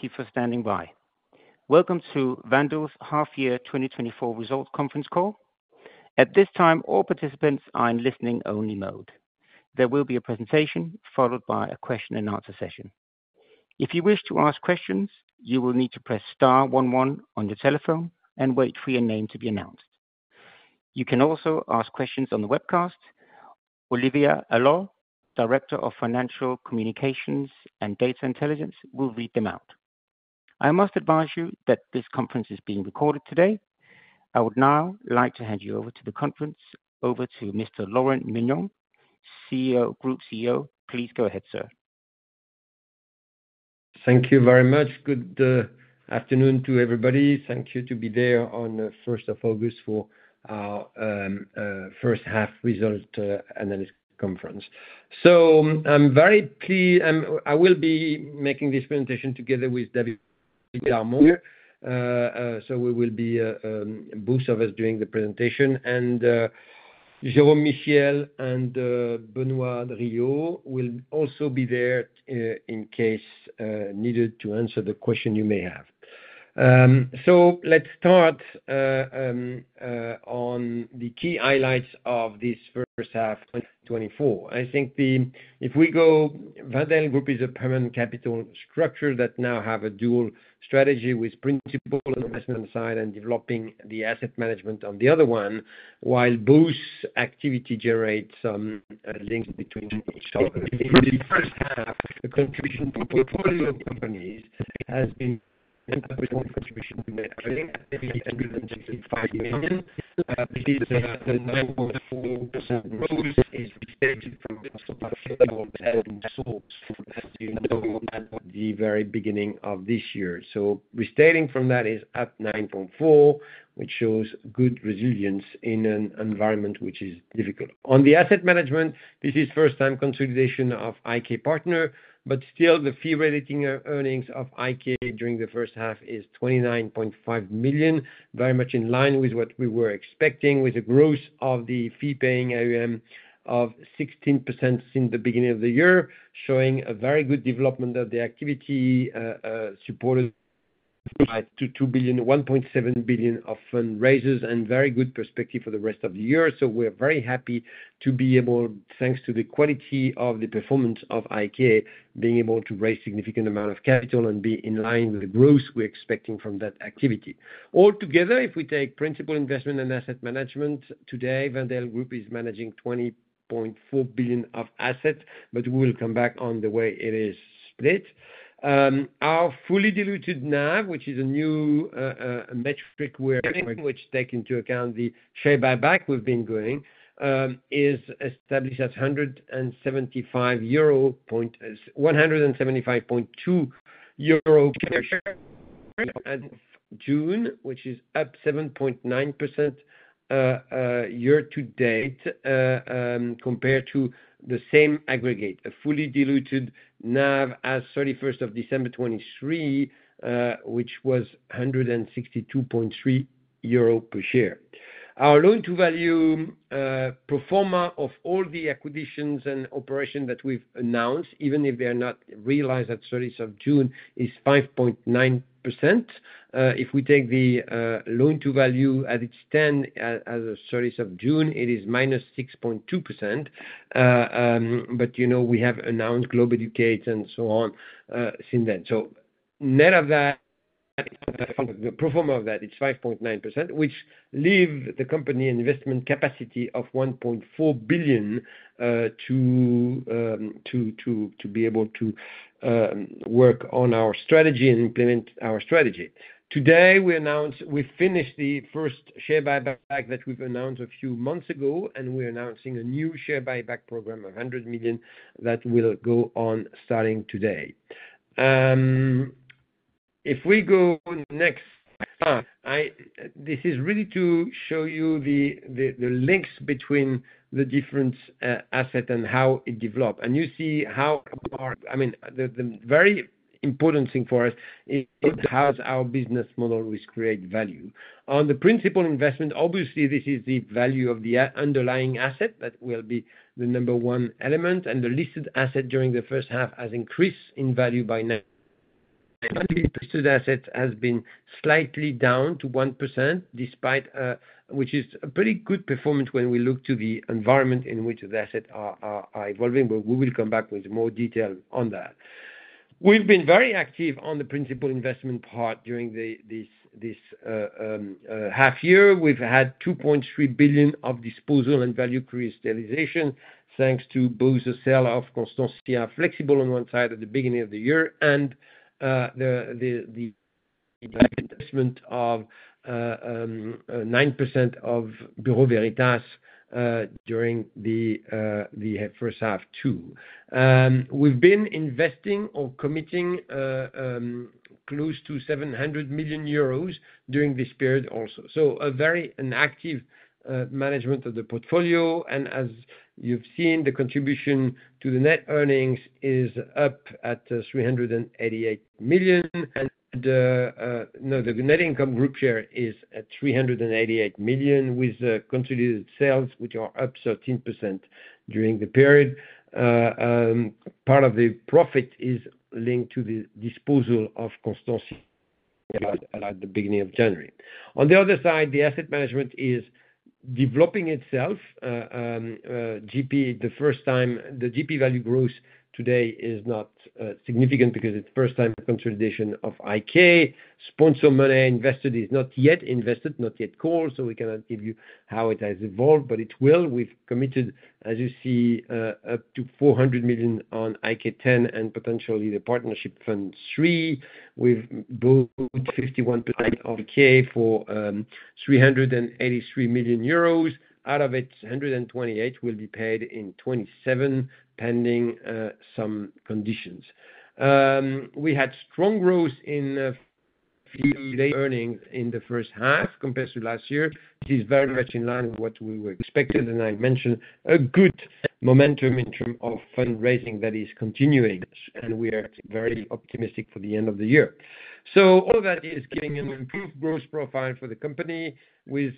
Thank you for standing by. Welcome to Wendel's Half Year 2024 Results Conference Call. At this time, all participants are in listening-only mode. There will be a presentation, followed by a question and answer session. If you wish to ask questions, you will need to press star one one on your telephone and wait for your name to be announced. You can also ask questions on the webcast. Olivier Allot, Director of Financial Communications and Data Intelligence, will read them out. I must advise you that this conference is being recorded today. I would now like to hand you over to the conference, over to Mr. Laurent Mignon, CEO, Group CEO. Please go ahead, sir. Thank you very much. Good afternoon to everybody. Thank you to be there on the first of August for our first half result analyst conference. So I'm very pleased. I will be making this presentation together with David Darmon. So we will be both of us doing the presentation. And Jérôme Michiels and Benoît Drillaud will also be there in case needed to answer the question you may have. So let's start on the key highlights of this first half, 2024. I think if we go, Wendel Group is a permanent capital structure that now have a dual strategy, with principal investment side and developing the asset management on the other one, while both activity generates some links between each other. In the first half, the contribution to portfolio companies has been one contribution to net trading, at EUR 865 million. This is a 9.4% growth restated from constant exchange rates and scopes, as you know, at the very beginning of this year. So restating from that is up 9.4, which shows good resilience in an environment which is difficult. On the asset management, this is first time consolidation of IK Partners, but still the fee-related earnings of IK during the first half is 29.5 million. Very much in line with what we were expecting, with the growth of the fee-paying AUM of 16% since the beginning of the year, showing a very good development of the activity, supported by 2.2 billion, 1.7 billion of fundraisers and very good perspective for the rest of the year. So we're very happy to be able, thanks to the quality of the performance of IK, being able to raise significant amount of capital and be in line with the growth we're expecting from that activity. All together, if we take principal investment and asset management, today, Wendel Group is managing 20.4 billion of assets, but we'll come back on the way it is split. Our fully diluted NAV, which is a new metric which take into account the share buyback we've been doing, is established at 175.2 euro per share as of June, which is up 7.9%, year to date, compared to the same aggregate, a fully diluted NAV as 31st of December 2023, which was 162.3 euro per share. Our loan-to-value pro forma of all the acquisitions and operations that we've announced, even if they are not realized at 30th of June, is 5.9%. If we take the loan-to-value at its 10, as of 30th of June, it is -6.2%. But, you know, we have announced Globeducate and so on, since then. So net of that, the pro forma of that is 5.9%, which leave the company investment capacity of 1.4 billion, to be able to work on our strategy and implement our strategy. Today, we announce we finished the first share buyback that we've announced a few months ago, and we're announcing a new share buyback program of 100 million that will go on starting today. If we go next, I... This is really to show you the links between the different asset and how it developed. And you see how far, I mean, the very important thing for us is, how does our business model always create value. On the principal investment, obviously, this is the value of the underlying asset. That will be the number one element, and the listed asset during the first half has increased in value by 9%. Listed asset has been slightly down to 1%, despite, which is a pretty good performance when we look to the environment in which the assets are evolving, but we will come back with more detail on that. We've been very active on the principal investment part during this half year. We've had 2.3 billion of disposal and value crystallization, thanks to both the sale of Constantia Flexibles on one side at the beginning of the year and the investment of 9% of Bureau Veritas during the first half, too. We've been investing or committing close to 700 million euros during this period also. So a very active management of the portfolio, and as you've seen, the contribution to the net earnings is up at 388 million. And, no, the net income group share is at 388 million, with constituted sales, which are up 13% during the period. Part of the profit is linked to the disposal of Constantia at the beginning of January. On the other side, the asset management is developing itself. GP, the first time, the GP value growth today is not significant because it's first time consolidation of IK. Sponsor money invested is not yet invested, not yet called, so we cannot give you how it has evolved, but it will. We've committed, as you see, up to 400 million on IK X, and potentially the Partnership Fund III. We've bought 51% of IK for 383 million euros. Out of it, 128 million will be paid in 2027, pending some conditions. We had strong growth in fee earnings in the first half compared to last year. It is very much in line with what we expected, and I mentioned a good momentum in terms of fundraising that is continuing, and we are very optimistic for the end of the year. So all of that is giving an improved growth profile for the company with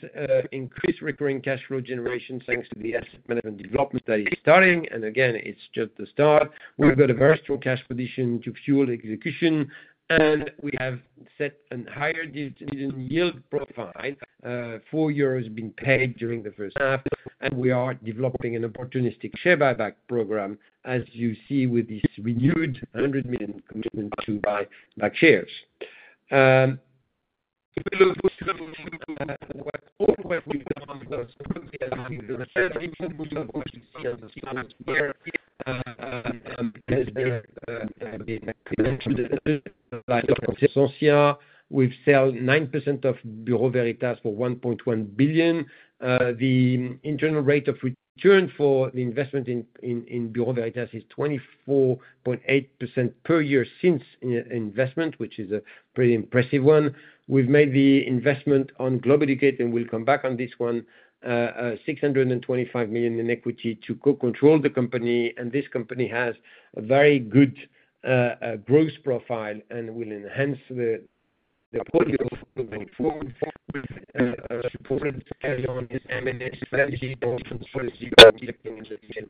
increased recurring cash flow generation, thanks to the asset management development that is starting. And again, it's just the start. We've got a very strong cash position to fuel execution, and we have set a higher dividend yield profile, 4 euros being paid during the first half, and we are developing an opportunistic share buyback program, as you see with this renewed EUR 100 million commitment to buy back shares. We've sold 9% of Bureau Veritas for 1.1 billion. The internal rate of return for the investment in Bureau Veritas is 24.8% per year since investment, which is a pretty impressive one. We've made the investment on Globeducate, and we'll come back on this one. 625 million in equity to co-control the company, and this company has a very good growth profile and will enhance the portfolio going forward, supported to carry on its M&A strategy. Also, as you can see,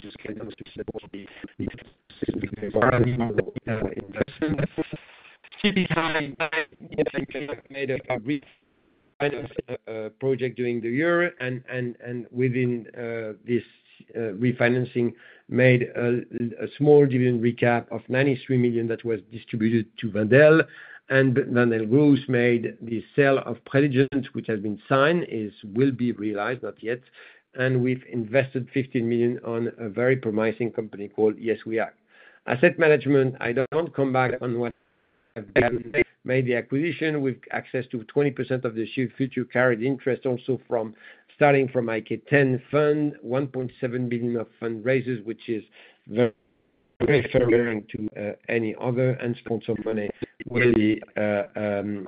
just kind of support the environment investment. CPI made a refi project during the year and within this refinancing made a small dividend recap of 93 million that was distributed to Wendel. And Wendel Group made the sale of Preligens, which has been signed, is will be realized, not yet. And we've invested 15 million on a very promising company called YesWeHack. Asset management, I don't want to come back on what made the acquisition. We have access to 20% of the issue, future carried interest also from starting from IK X fund, 1.7 billion of fundraise, which is very, very to any other and sponsor money will be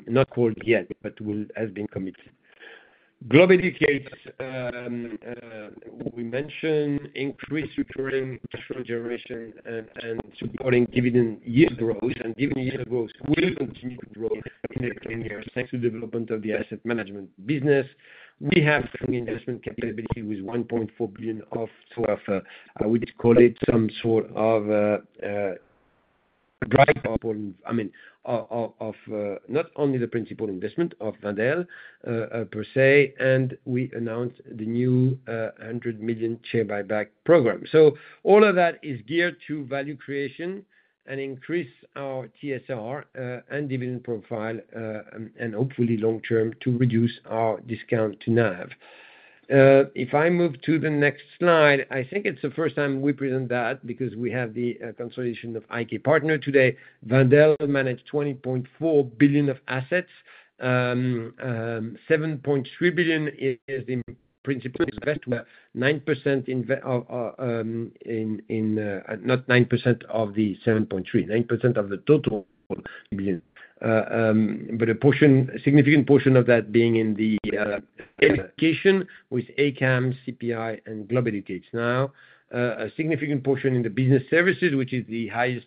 not called yet, but has been committed. Globeducate, we mentioned increased recurring cash flow generation and supporting dividend yield growth. Dividend yield growth will continue to grow in the coming years, thanks to development of the asset management business. We have strong investment capability with 1.4 billion of, sort of, I would call it some sort of, dry powder, I mean, not only the principal investment of Wendel, per se, and we announced the new 100 million share buyback program. So all of that is geared to value creation and increase our TSR, and dividend profile, and hopefully long-term, to reduce our discount to NAV. If I move to the next slide, I think it's the first time we present that, because we have the consolidation of IK Partners today. Wendel managed 20.4 billion of assets. 7.3 billion is in principal, 9%, not 9% of the 7.3 billion, 9% of the total billion. But a portion, a significant portion of that being in the education with ACAMS, CPI, and Globeducate. Now, a significant portion in the business services, which is the highest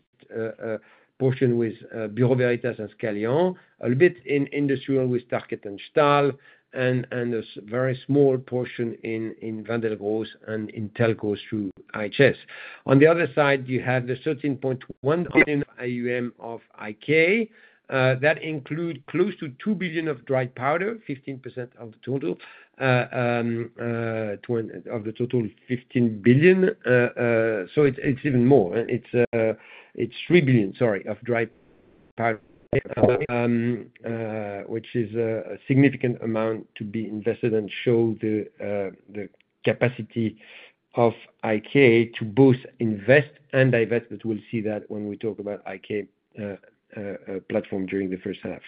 portion with Bureau Veritas and Scalian. A bit in industrial with Tarkett and Stahl, and a very small portion in Wendel Group and in telco through IHS. On the other side, you have the 13.1 billion AUM of IK Partners. That includes close to 2 billion of dry powder, 15% of the total, of the total 15 billion. So it's even more. It's three billion, sorry, of dry powder, which is a significant amount to be invested and show the capacity of IK to both invest and divest, but we'll see that when we talk about IK platform during the first half.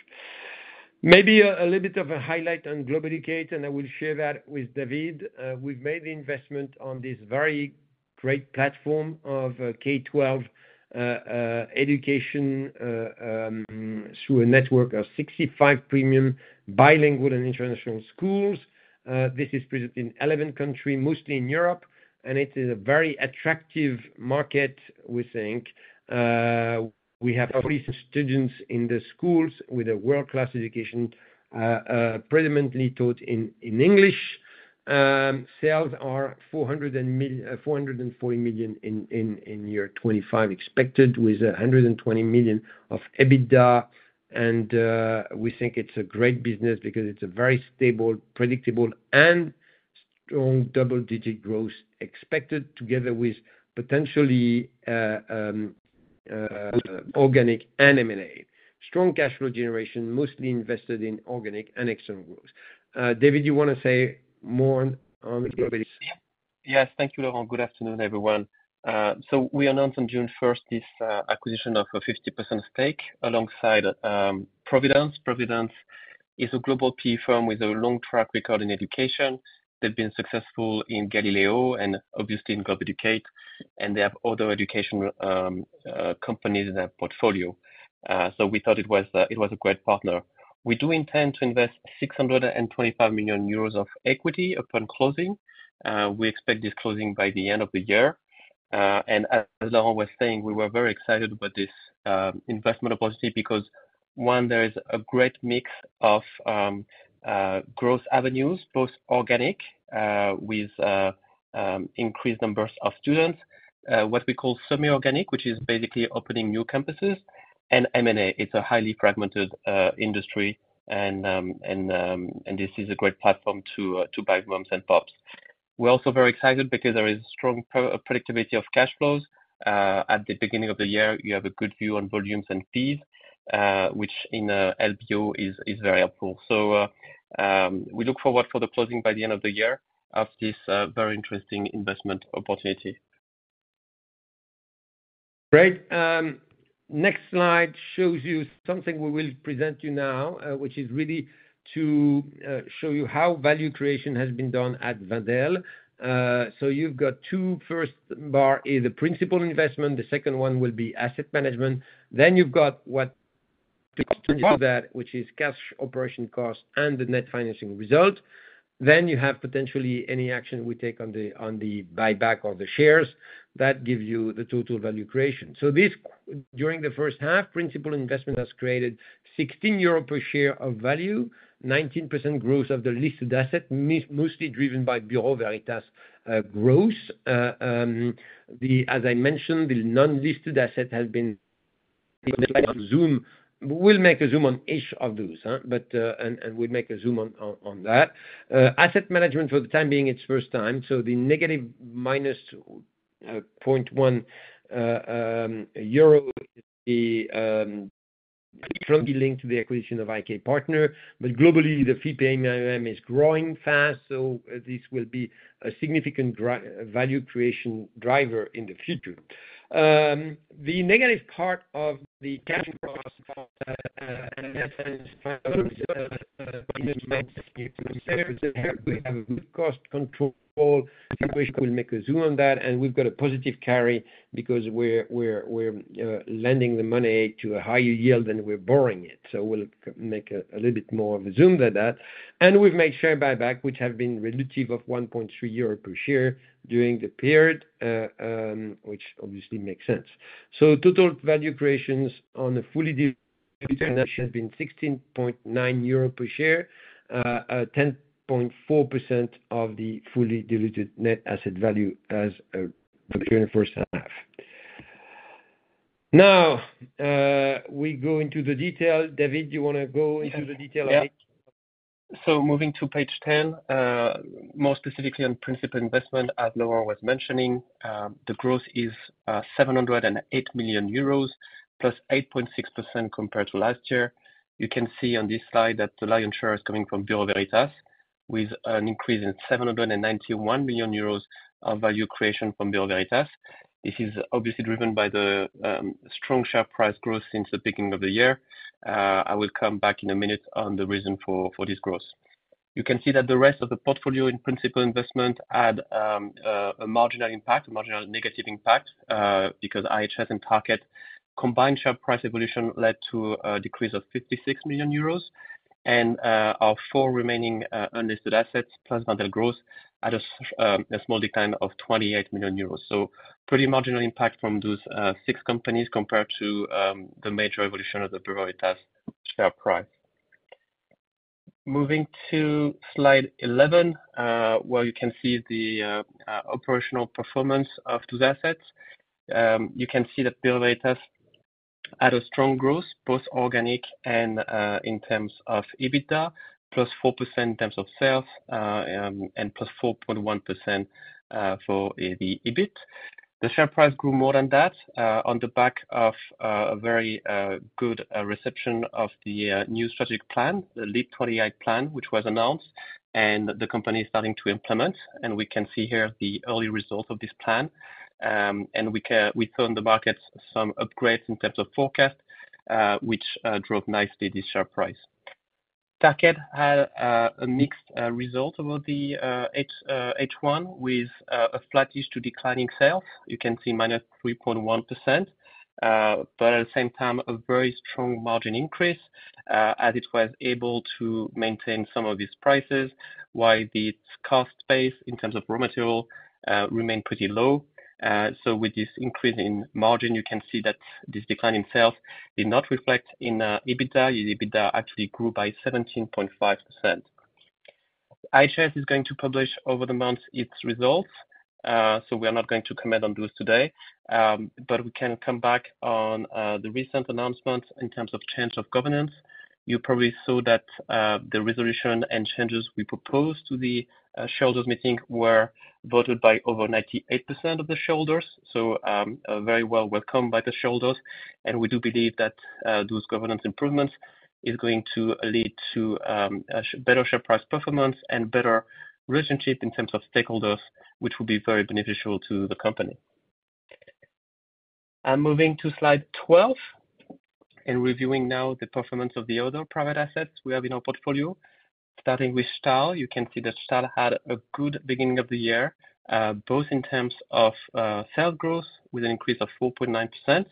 Maybe a little bit of a highlight on Globeducate, and I will share that with David. We've made the investment on this very great platform of K-12 education through a network of 65 premium bilingual and international schools. This is present in 11 countries, mostly in Europe, and it is a very attractive market, we think. We have students in the schools with a world-class education, predominantly taught in English.... Sales are 440 million in 2025, expected with 120 million of EBITDA. We think it's a great business because it's a very stable, predictable, and strong double-digit growth expected together with potentially organic and M&A. Strong cash flow generation, mostly invested in organic and external growth. David, you wanna say more on Globeducate? Yes. Thank you, Laurent. Good afternoon, everyone. So we announced on June first, this acquisition of a 50% stake alongside Providence. Providence is a global PE firm with a long track record in education. They've been successful in Galileo and obviously in Globeducate, and they have other educational companies in their portfolio. So we thought it was it was a great partner. We do intend to invest 625 million euros of equity upon closing. We expect this closing by the end of the year. And as Laurent was saying, we were very excited about this investment opportunity, because, one, there is a great mix of growth avenues, both organic with increased numbers of students. What we call semi-organic, which is basically opening new campuses, and M&A. It's a highly fragmented industry, and this is a great platform to buy moms and pops. We're also very excited because there is strong predictability of cash flows. At the beginning of the year, you have a good view on volumes and fees, which in LBO is very helpful. We look forward for the closing by the end of the year of this very interesting investment opportunity. Great. Next slide shows you something we will present you now, which is really to show you how value creation has been done at Wendel. So you've got two first bar, is the principal investment, the second one will be asset management. Then you've got what to add to that, which is cash operation costs and the net financing result. Then you have potentially any action we take on the, on the buyback of the shares. That gives you the total value creation. So this, during the first half, principal investment has created 16 euro per share of value, 19% growth of the listed asset, mostly driven by Bureau Veritas, growth. As I mentioned, the non-listed asset has been zoom. We'll make a zoom on each of those, but we'll make a zoom on that. Asset management for the time being, it's first time, so the negative minus 0.1 euro is strongly linked to the acquisition of IK Partners, but globally, the fee payment is growing fast, so this will be a significant value creation driver in the future. The negative part of the cash cost, we have a good cost control. We'll make a zoom on that, and we've got a positive carry because we're lending the money to a higher yield than we're borrowing it. So we'll make a little bit more of a zoom on that. We've made share buyback, which have been relative of 1.3 euro per share during the period, which obviously makes sense. Total value creations on the fully diluted has been 16.9 euro per share, 10.4% of the fully diluted net asset value as of the current first half. Now, we go into the detail. David, you wanna go into the detail a bit? Moving to page 10, more specifically on principal investment, as Laurent was mentioning, the growth is 708 million euros, +8.6% compared to last year. You can see on this slide that the lion's share is coming from Bureau Veritas, with an increase in 791 million euros of value creation from Bureau Veritas. This is obviously driven by the strong share price growth since the beginning of the year. I will come back in a minute on the reason for this growth. You can see that the rest of the portfolio in principal investment had a marginal impact, a marginal negative impact, because IHS and Tarkett combined share price evolution led to a decrease of 56 million euros. Our four remaining unlisted assets, plus Wendel Growth, had a small decline of 28 million euros. Pretty marginal impact from those six companies compared to the major evolution of the Bureau Veritas share price. Moving to slide 11, where you can see the operational performance of those assets. You can see that Bureau Veritas had a strong growth, both organic and in terms of EBITDA, +4% in terms of sales, and +4.1% for the EBIT. The share price grew more than that on the back of a very good reception of the new strategic plan, the LEAP | 28 plan, which was announced, and the company is starting to implement, and we can see here the early results of this plan. We saw in the market some upgrades in terms of forecast, which drove nicely this share price. Target had a mixed result about the H1, with a flatish to declining sale. You can see -3.1%, but at the same time, a very strong margin increase, as it was able to maintain some of its prices, while the cost base, in terms of raw material, remained pretty low. So with this increase in margin, you can see that this decline in sales did not reflect in EBITDA. EBITDA actually grew by 17.5%. IHS is going to publish over the months its results, so we are not going to comment on those today. But we can come back on the recent announcement in terms of change of governance. You probably saw that the resolution and changes we proposed to the shareholders meeting were voted by over 98% of the shareholders. So, very well welcomed by the shareholders, and we do believe that those governance improvements is going to lead to a better share price performance and better relationship in terms of stakeholders, which will be very beneficial to the company. I'm moving to slide 12, and reviewing now the performance of the other private assets we have in our portfolio. Starting with Stahl, you can see that Stahl had a good beginning of the year, both in terms of sales growth, with an increase of 4.9%,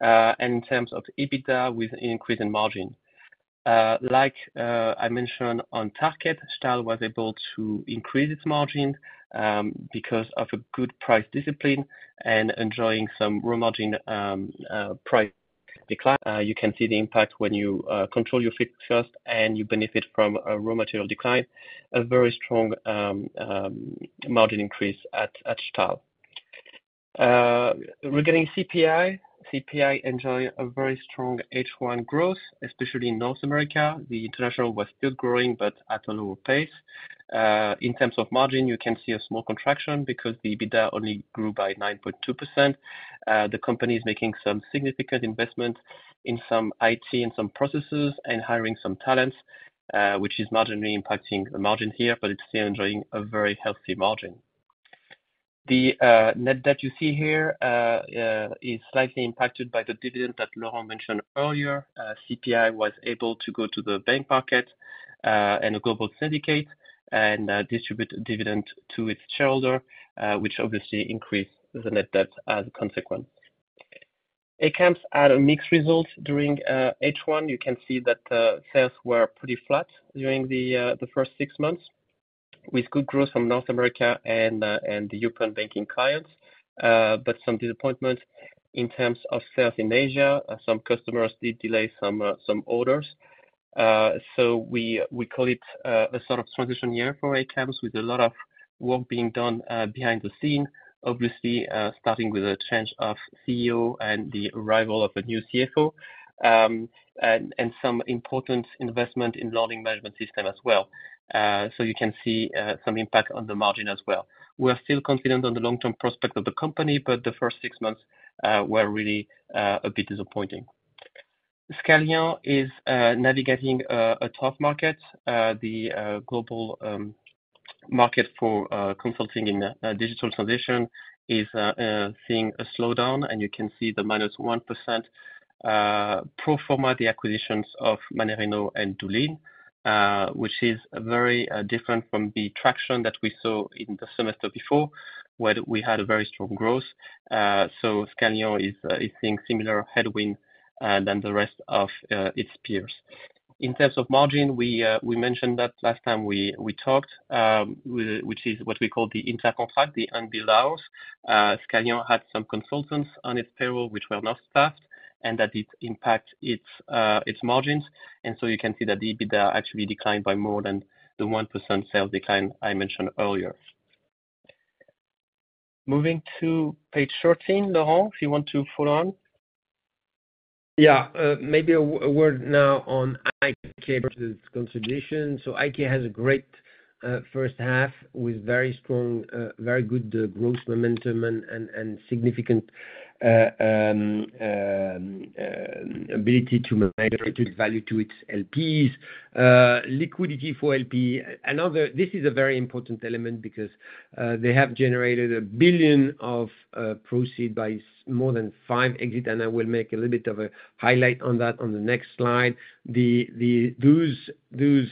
and in terms of EBITDA, with an increase in margin. Like, I mentioned on target, Stahl was able to increase its margin because of a good price discipline and enjoying some raw material price decline. You can see the impact when you control your fixed cost and you benefit from a raw material decline, a very strong margin increase at Stahl. Regarding CPI, CPI enjoy a very strong H1 growth, especially in North America. The international was still growing, but at a lower pace. In terms of margin, you can see a small contraction because the EBITDA only grew by 9.2%. The company is making some significant investments in some IT and some processes, and hiring some talents, which is marginally impacting the margin here, but it's still enjoying a very healthy margin. The net debt you see here is slightly impacted by the dividend that Laurent mentioned earlier. CPI was able to go to the bank market and a global syndicate and distribute a dividend to its shareholder which obviously increased the net debt as a consequence. ACAMS had a mixed result during H1. You can see that sales were pretty flat during the first six months, with good growth from North America and the European banking clients. But some disappointment in terms of sales in Asia. Some customers did delay some orders. So we call it a sort of transition year for ACAMS, with a lot of work being done behind the scenes. Obviously, starting with a change of CEO and the arrival of a new CFO. And some important investment in learning management system as well. So you can see some impact on the margin as well. We are still confident on the long-term prospect of the company, but the first six months were really a bit disappointing. Scalian is navigating a tough market. The global market for consulting in digital transition is seeing a slowdown, and you can see the -1% pro forma, the acquisitions of Mannarino and Dulin. Which is very different from the traction that we saw in the semester before, where we had a very strong growth. So Scalian is seeing similar headwind than the rest of its peers. In terms of margin, we mentioned that last time we talked with... Which is what we call the inter-contract, the unbilled hours. Scalian had some consultants on its payroll which were not staffed, and that did impact its, its margins. And so you can see that the EBITDA actually declined by more than the 1% sales decline I mentioned earlier. Moving to page 13, Laurent, if you want to follow on. Yeah, maybe a word now on IK consolidation. So IK has a great first half, with very strong, very good growth momentum and significant ability to manage value to its LPs. Liquidity for LP. Another. This is a very important element because they have generated 1 billion of proceeds by more than five exits, and I will make a little bit of a highlight on that on the next slide. The those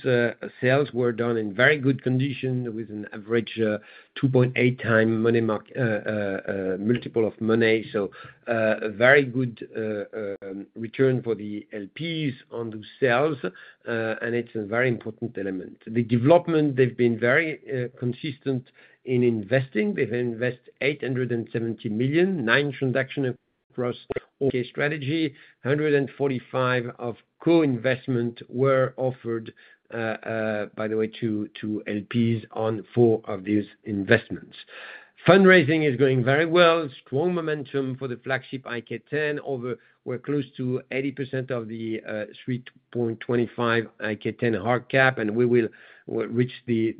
sales were done in very good condition, with an average 2.8x money multiple of money. So a very good return for the LPs on those sales, and it's a very important element. The development, they've been very consistent in investing. They've invested 870 million, 9 transactions across IK strategy. 145 million of co-investment were offered, by the way, to LPs on four of these investments. Fundraising is going very well. Strong momentum for the flagship IK X. Overall, we're close to 80% of the 3.25 billion IK X hard cap, and we will reach the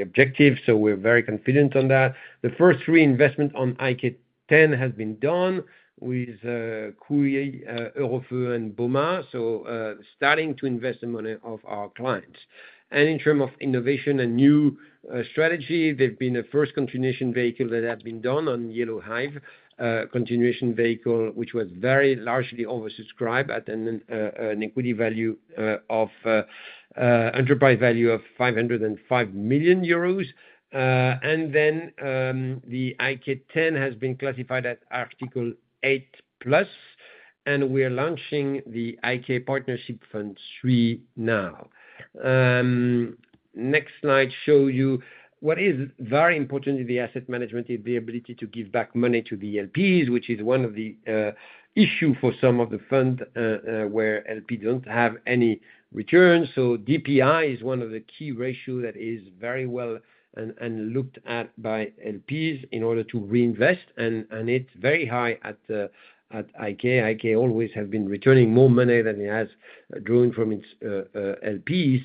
objective, so we're very confident on that. The first reinvestment on IK X has been done with Kooi, Eurofeu and BOMA. So, starting to invest the money of our clients. In terms of innovation and new strategy, they've been the first continuation vehicle that have been done on Yellow Hive. Continuation vehicle, which was very largely oversubscribed at an equity value of enterprise value of 505 million euros. Then, the IK X has been classified as Article 8+. We are launching the IK Partnership Fund III now. Next slide show you what is very important in the asset management, is the ability to give back money to the LPs, which is one of the issue for some of the fund, where LP don't have any returns. So DPI is one of the key ratio that is very well and looked at by LPs in order to reinvest, and it's very high at IK. IK always have been returning more money than it has drawn from its LPs.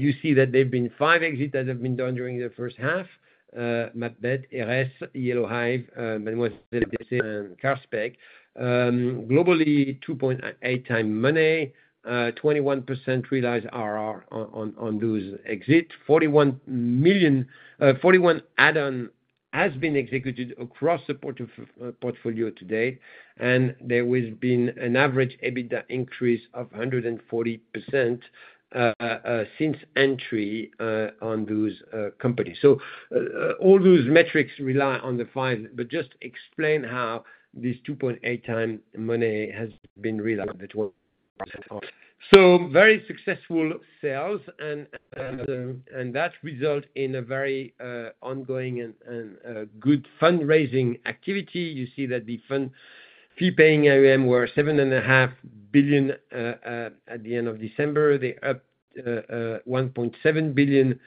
You see that there've been five exits that have been done during the first half. Mabtech, Eres, Yellow Hive, and Carspect. Globally, 2.8x money, 21% realized RR on those exits. 41 million add-on has been executed across the portfolio today, and there has been an average EBITDA increase of 140% since entry on those companies. So, all those metrics rely on the five, but just explain how this 2.8x money has been realized at 1%. So very successful sales and that result in a very ongoing and good fundraising activity. You see that the fund fee paying AUM were 7.5 billion at the end of December. They upped 1.7 billion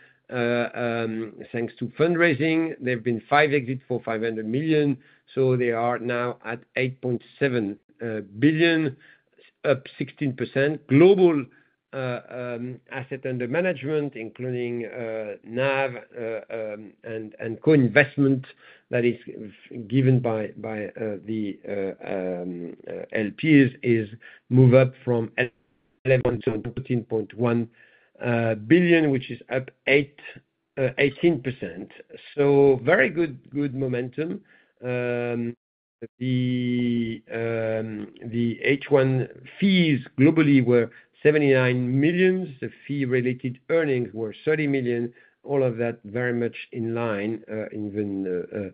thanks to fundraising. There have been five exits for 500 million, so they are now at 8.7 billion, up 16%. Global asset under management, including NAV and co-investment that is given by the LPs, is move up from 11 billion to 14.1 billion, which is up 18%. So very good, good momentum. The H1 fees globally were 79 million. The fee-related earnings were 30 million. All of that very much in line even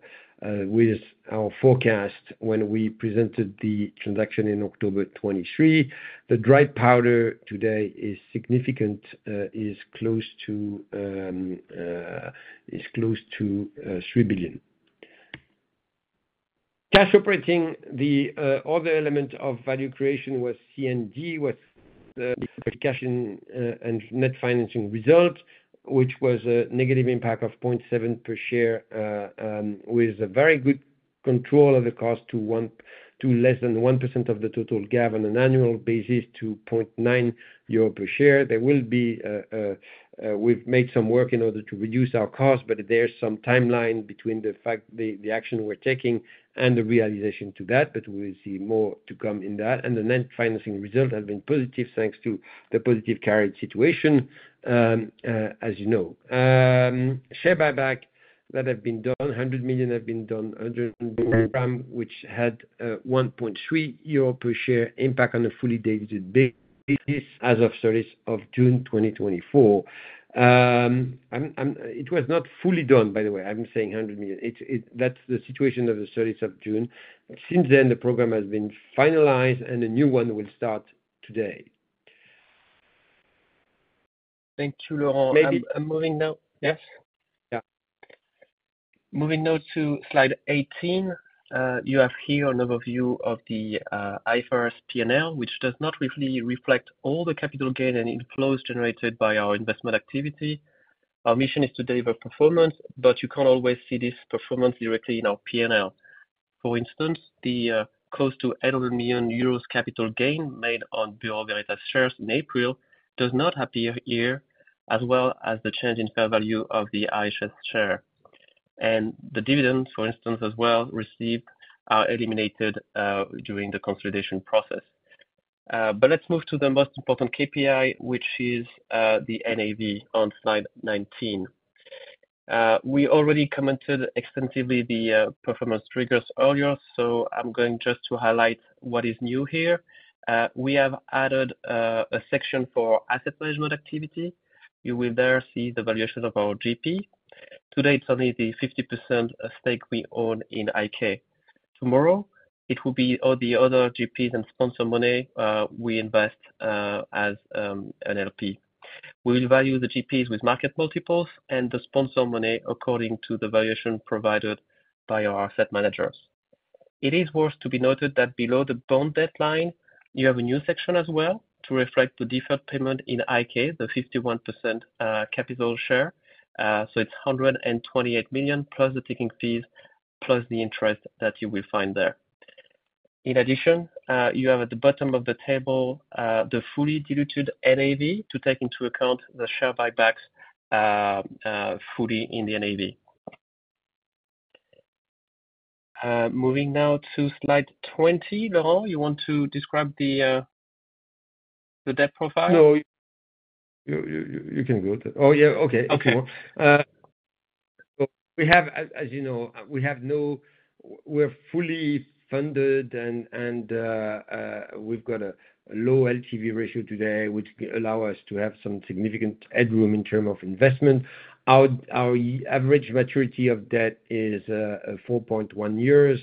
with our forecast when we presented the transaction in October 2023. The dry powder today is significant, is close to 3 billion. Cash operating, the other element of value creation was C and D, cash and net financing results, which was a negative impact of 0.7 per share, with a very good control of the cost to one-- to less than 1% of the total GAAP on an annual basis, to 0.9 euro per share. There will be, we've made some work in order to reduce our costs, but there's some timeline between the fact the, the action we're taking and the realization to that, but we'll see more to come in that. And the net financing result has been positive, thanks to the positive current situation, as you know. Share buyback that have been done, 100 million have been done, under the program, which had 1.3 euro per share impact on a fully diluted basis as of 30th of June 2024. It was not fully done, by the way. I'm saying 100 million. It's, that's the situation as of 30th of June. Since then, the program has been finalized, and a new one will start today. Thank you, Laurent. Maybe- I'm moving now. Yes? Yeah. Moving now to slide 18. You have here an overview of the IFRS P&L, which does not really reflect all the capital gain and inflows generated by our investment activity. Our mission is to deliver performance, but you can't always see this performance directly in our P&L. For instance, the close to 800 million euros capital gain made on Bureau Veritas shares in April does not appear here, as well as the change in fair value of the IHS share. And the dividends, for instance, as well, received are eliminated during the consolidation process. But let's move to the most important KPI, which is the NAV on slide 19. We already commented extensively the performance triggers earlier, so I'm going just to highlight what is new here. We have added a section for asset management activity. You will there see the valuation of our GP. Today, it's only the 50% stake we own in IK. Tomorrow, it will be all the other GPs and sponsor money we invest as an LP. We will value the GPs with market multiples and the sponsor money according to the valuation provided by our asset managers. It is worth to be noted that below the bond debt line, you have a new section as well, to reflect the deferred payment in IK, the 51% capital share. So it's 128 million, plus the ticking fees, plus the interest that you will find there. In addition, you have at the bottom of the table the fully diluted NAV to take into account the share buybacks fully in the NAV. Moving now to slide 20. Laurent, you want to describe the debt profile? No. You can go to. Oh, yeah. Okay. Okay. So we have, as you know, we're fully funded and we've got a low LTV ratio today, which allow us to have some significant headroom in term of investment. Our average maturity of debt is 4.1 years.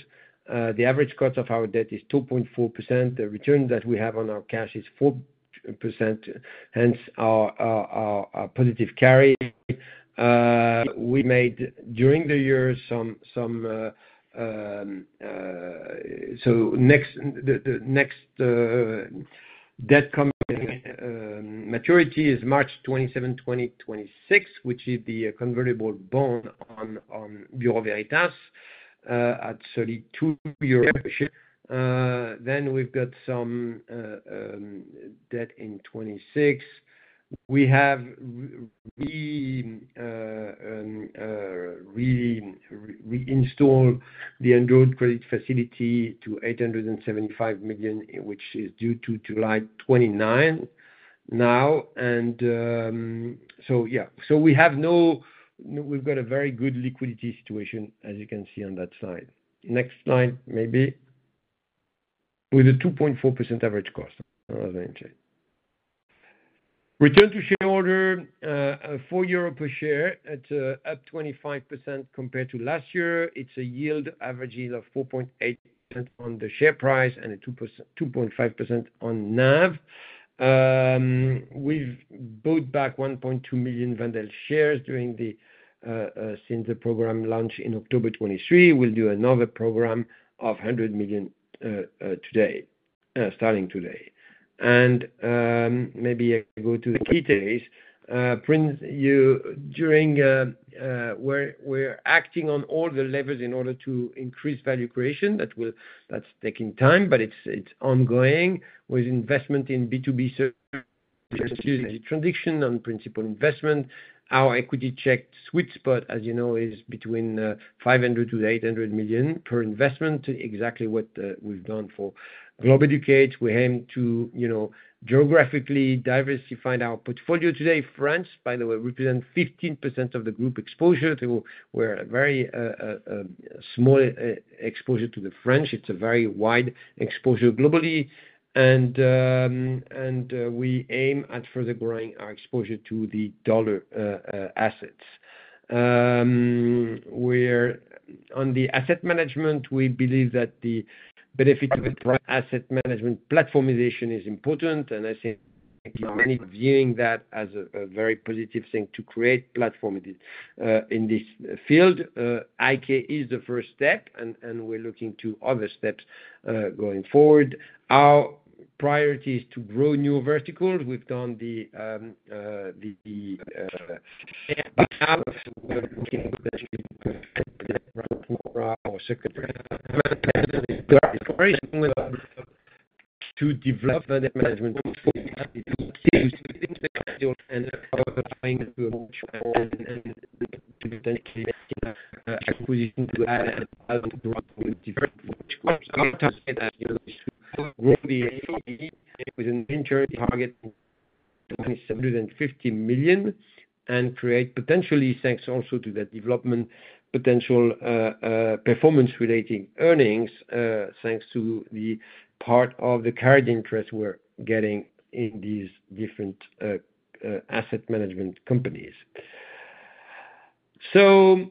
The average cost of our debt is 2.4%. The return that we have on our cash is 4%, hence our positive carry. So next, the next debt coming maturity is March 27, 2026, which is the convertible bond on Bureau Veritas at 32 euros. Then we've got some debt in 2026. We have re-installed the undrawn credit facility to 875 million, which is due to July 29 now. And, so yeah. So we've got a very good liquidity situation, as you can see on that slide. Next slide, maybe. With a 2.4% average cost, as I mentioned. Return to shareholder, 4 euro per share at, up 25% compared to last year. It's a yield, average yield of 4.8% on the share price and a 2.5% on NAV. We've bought back 1.2 million Wendel shares since the program launch in October 2023. We'll do another program of 100 million, today, starting today. And, maybe I go to the key takeaways. brings you during, we're acting on all the levers in order to increase value creation. That will... That's taking time, but it's ongoing with investment in B2B service transaction on principal investment. Our equity check sweet spot, as you know, is between 500 million-800 million per investment. Exactly what we've done for Globeducate. We aim to, you know, geographically diversify our portfolio. Today, France, by the way, represent 15% of the group exposure to. We're a very small exposure to the French. It's a very wide exposure globally, and we aim at further growing our exposure to the dollar assets. We're on the asset management, we believe that the benefit of the asset management platformization is important, and I think many viewing that as a very positive thing to create platform in this field. IK is the first step, and we're looking to other steps going forward. Our priority is to grow new verticals. We've done the to develop asset management solutions. Acquiring acquisition to add on to what with different, which I say that, you know, grow the with an venture target 250 million, and create potentially, thanks also to that development, potential performance-related earnings, thanks to the part of the carried interest we're getting in these different asset management companies. So,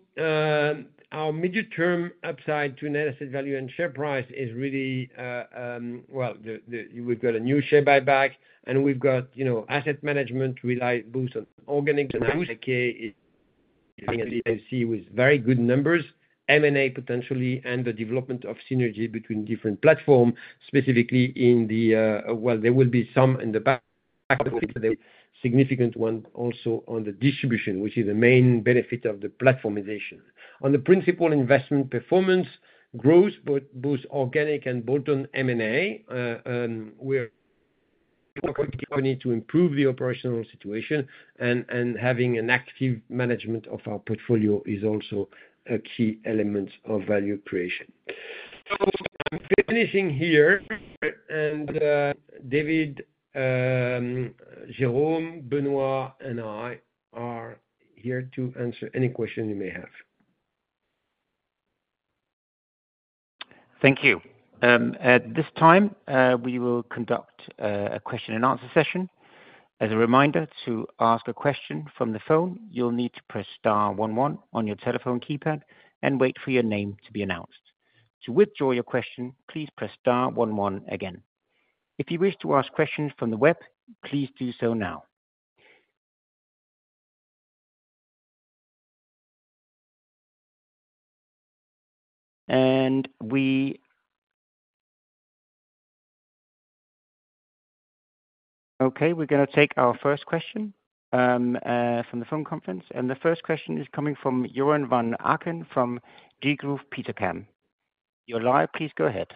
our mid-term upside to net asset value and share price is really, well, We've got a new share buyback, and we've got, you know, asset management rely both on organic and IK is with very good numbers, M&A potentially, and the development of synergy between different platforms, specifically in the, well, there will be some in the significant one also on the distribution, which is the main benefit of the platformization. On the principal investment performance, growth, both organic and bolt-on M&A. And we're committed to improve the operational situation, and having an active management of our portfolio is also a key element of value creation. So I'm finishing here, and David, Jérôme, Benoît, and I are here to answer any questions you may have. Thank you. At this time, we will conduct a question and answer session. As a reminder, to ask a question from the phone, you'll need to press star one one on your telephone keypad and wait for your name to be announced. To withdraw your question, please press star one one again. If you wish to ask questions from the web, please do so now. We're gonna take our first question from the phone conference, and the first question is coming from Joren Van Aken from Degroof Petercam. You're live. Please go ahead.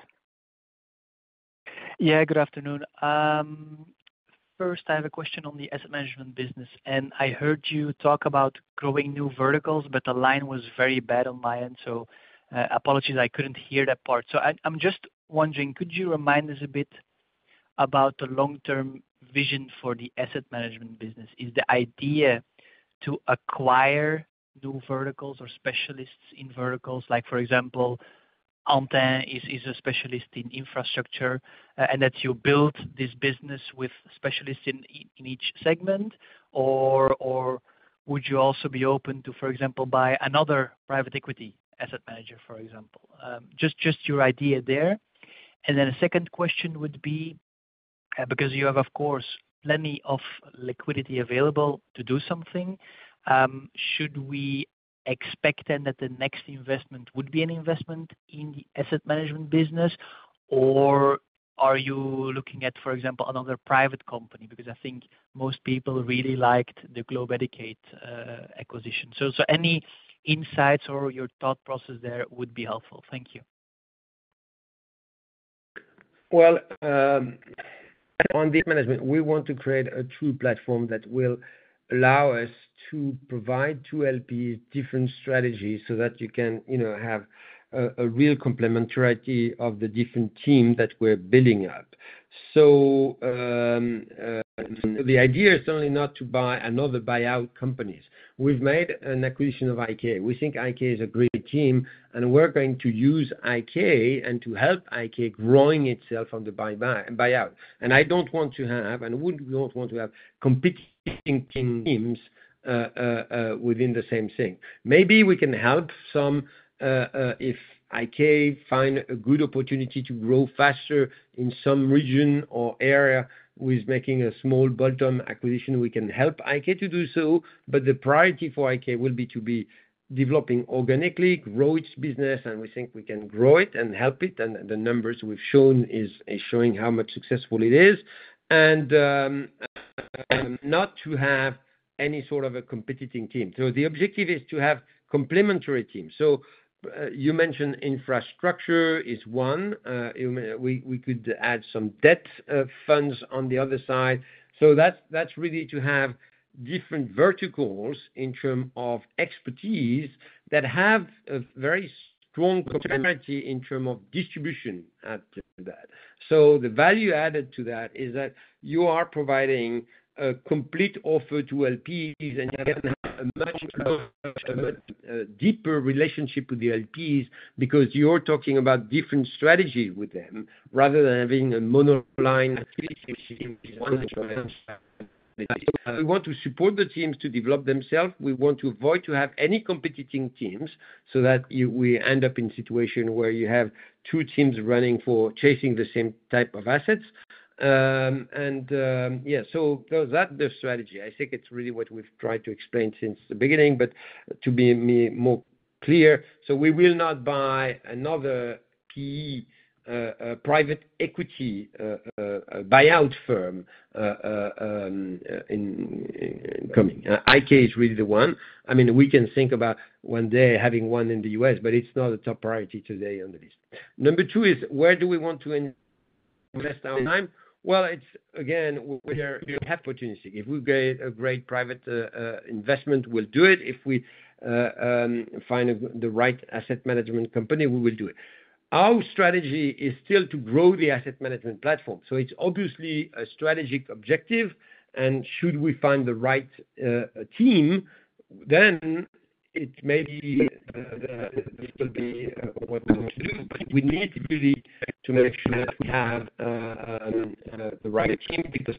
Yeah, good afternoon. First, I have a question on the asset management business, and I heard you talk about growing new verticals, but the line was very bad on my end, so apologies, I couldn't hear that part. So I'm just wondering, could you remind us a bit about the long-term vision for the asset management business? Is the idea to acquire new verticals or specialists in verticals? Like, for example, Antin is a specialist in infrastructure, and that you build this business with specialists in each segment, or would you also be open to, for example, buy another private equity asset manager, for example? Just your idea there. And then a second question would be... Because you have, of course, plenty of liquidity available to do something. Should we expect then that the next investment would be an investment in the asset management business? Or are you looking at, for example, another private company? Because I think most people really liked the Globeducate acquisition. So any insights or your thought process there would be helpful. Thank you. Well, on the management, we want to create a true platform that will allow us to provide to LP different strategies, so that you can, you know, have a real complementarity of the different team that we're building up. So, the idea is certainly not to buy another buyout companies. We've made an acquisition of IK. We think IK is a great team, and we're going to use IK and to help IK growing itself on the buyout. And I don't want to have, and would not want to have competing teams, within the same thing. Maybe we can help some if IK find a good opportunity to grow faster in some region or area with making a small bolt-on acquisition, we can help IK to do so. But the priority for IK will be to be developing organically, grow its business, and we think we can grow it and help it, and the numbers we've shown is showing how successful it is, and not to have any sort of a competing team. So the objective is to have complementary teams. So you mentioned infrastructure is one, we could add some debt funds on the other side. So that's really to have different verticals in terms of expertise, that have a very strong complementarity in terms of distribution to that. So the value added to that is that you are providing a complete offer to LPs, and you're going to have a much deeper relationship with the LPs, because you're talking about different strategies with them, rather than having a monoline in one. We want to support the teams to develop themselves. We want to avoid to have any competing teams, so that we end up in situation where you have two teams running for chasing the same type of assets. And that's the strategy. I think it's really what we've tried to explain since the beginning, but to be more clear. So we will not buy another PE, private equity, buyout firm, in coming. IK is really the one. I mean, we can think about one day having one in the U.S., but it's not a top priority today on the list. Number two is, where do we want to invest our time? Well, it's again, where you have opportunity. If we get a great private investment, we'll do it. If we find the right asset management company, we will do it. Our strategy is still to grow the asset management platform, so it's obviously a strategic objective, and should we find the right team, then it may be this will be what we want to do. But we need really to make sure that we have the right team, because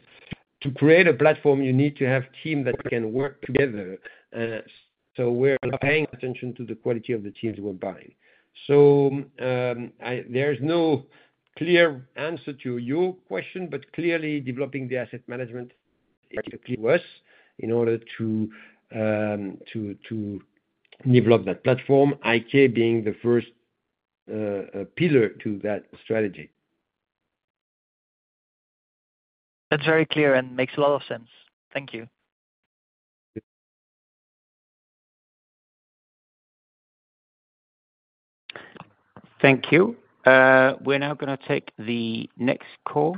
to create a platform, you need to have team that can work together. So we're paying attention to the quality of the teams we're buying. So there is no clear answer to your question, but clearly developing the asset management is the key to us, in order to develop that platform, IK being the first pillar to that strategy. That's very clear and makes a lot of sense. Thank you. Thank you. Thank you. We're now gonna take the next call,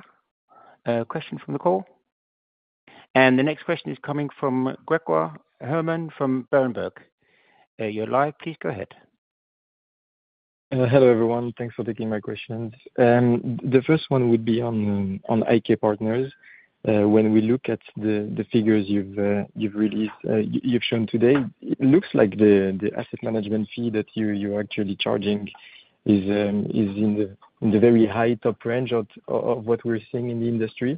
question from the call. And the next question is coming from Grégoire Hermann, from Berenberg. You're live. Please, go ahead. Hello, everyone. Thanks for taking my questions. The first one would be on IK Partners. When we look at the figures you've released, you've shown today, it looks like the asset management fee that you're actually charging is in the very high top range of what we're seeing in the industry.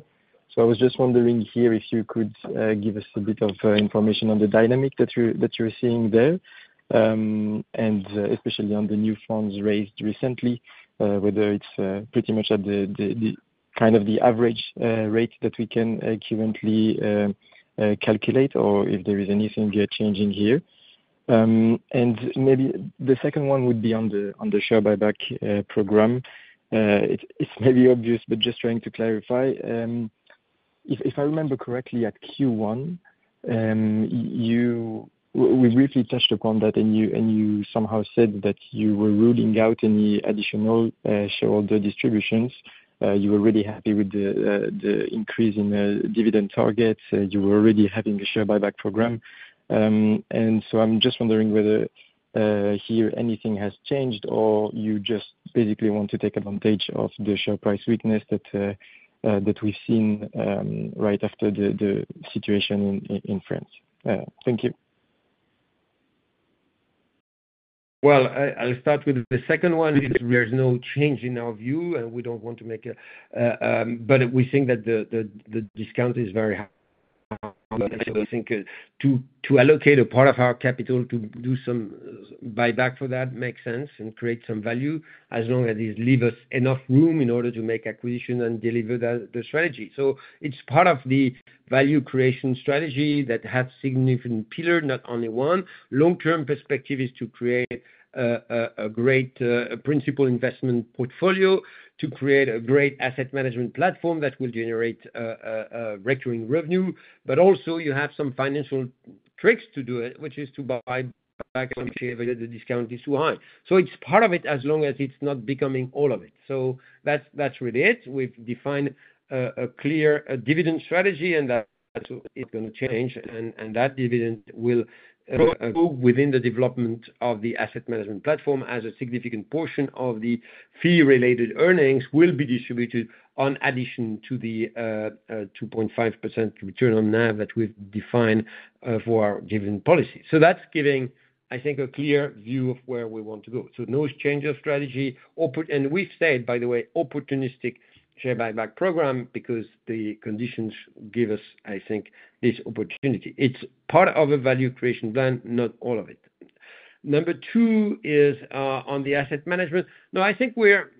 So I was just wondering here, if you could give us a bit of information on the dynamic that you're seeing there, and especially on the new funds raised recently, whether it's pretty much at the kind of the average rate that we can currently calculate, or if there is anything you're changing here? And maybe the second one would be on the share buyback program. It's maybe obvious, but just trying to clarify. If I remember correctly, at Q1, we briefly touched upon that, and you somehow said that you were ruling out any additional shareholder distributions. You were really happy with the increase in the dividend targets. You were already having a share buyback program. And so I'm just wondering whether here anything has changed, or you just basically want to take advantage of the share price weakness that we've seen right after the situation in France? Thank you. Well, I'll start with the second one. There's no change in our view, and we don't want to make a. But we think that the discount is very high. So I think to allocate a part of our capital to do some buyback for that makes sense and create some value, as long as it leave us enough room in order to make acquisition and deliver the strategy. So it's part of the value creation strategy that has significant pillar, not only one. Long-term perspective is to create a great principal investment portfolio, to create a great asset management platform that will generate a recurring revenue. But also you have some financial tricks to do it, which is to buy back when the discount is too high. So it's part of it, as long as it's not becoming all of it. So that's really it. We've defined a clear dividend strategy, and that is not gonna change. And that dividend will go within the development of the asset management platform as a significant portion of the fee-related earnings will be distributed in addition to the 2.5% return on NAV that we've defined for our dividend policy. So that's giving, I think, a clear view of where we want to go. So no change of strategy. And we've said, by the way, opportunistic share buyback program, because the conditions give us, I think, this opportunity. It's part of a value creation plan, not all of it. Number two is on the asset management. No, I think we're...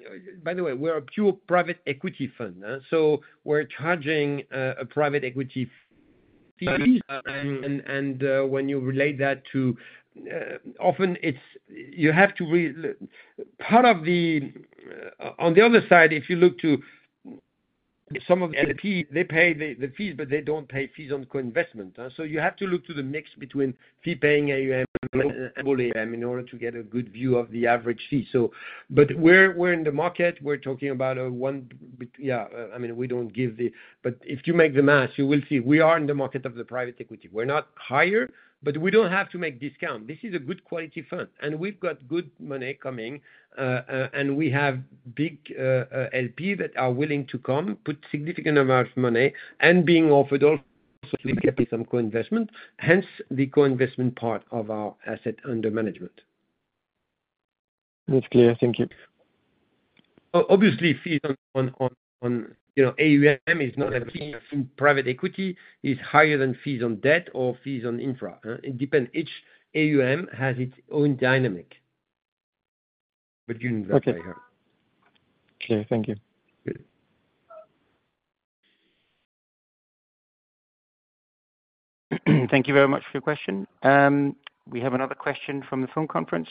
By the way, we're a pure private equity fund, so we're charging a private equity fee. When you relate that to, often it's. On the other side, if you look to some of the LP, they pay the fees, but they don't pay fees on co-investment. So you have to look to the mix between fee-paying AUM in order to get a good view of the average fee. But we're in the market. We're talking about a one, I mean, we don't give the. But if you make the math, you will see we are in the market of the private equity. We're not higher, but we don't have to make discount. This is a good quality fund, and we've got good money coming, and we have big LP that are willing to come put significant amount of money and being offered also significantly some co-investment, hence the co-investment part of our asset under management. That's clear. Thank you. Obviously, fees on, you know, AUM is not a fee. In private equity, it's higher than fees on debt or fees on infra. It depends. Each AUM has its own dynamic. But you know very well. Okay. Clear. Thank you. Good. Thank you very much for your question. We have another question from the phone conference,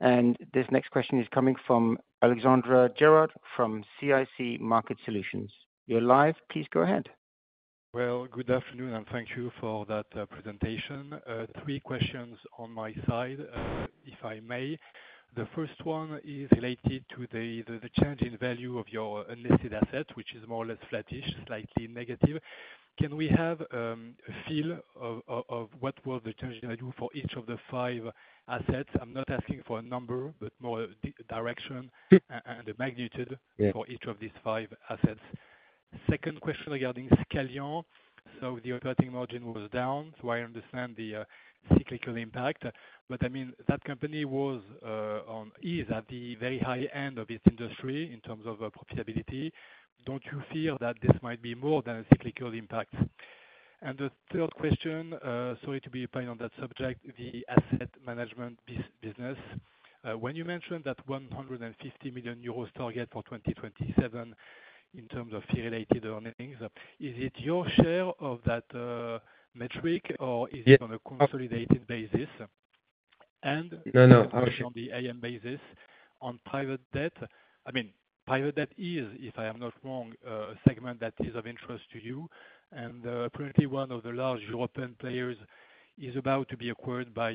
and this next question is coming from Alexandre Gérard from CIC Market Solutions. You're live. Please go ahead. Well, good afternoon, and thank you for that, presentation. Three questions on my side, if I may. The first one is related to the change in value of your unlisted assets, which is more or less flattish, slightly negative. Can we have a feel of what were the changes in value for each of the five assets? I'm not asking for a number, but more direction and the magnitude- Yeah - for each of these five assets. Second question regarding Scalian. So the operating margin was down, so I understand the cyclical impact. But, I mean, that company was, on, is at the very high end of its industry in terms of profitability. Don't you feel that this might be more than a cyclical impact? And the third question, sorry to be playing on that subject, the asset management business. When you mentioned that 150 million euros target for 2027 in terms of fee-related earnings, is it your share of that metric, or is it- Yeah on a consolidated basis? And- No, no - On the AM basis, on private debt, I mean, private debt is, if I am not wrong, a segment that is of interest to you. And, apparently, one of the large European players is about to be acquired by